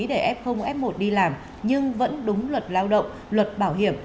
để f f một đi làm nhưng vẫn đúng luật lao động luật bảo hiểm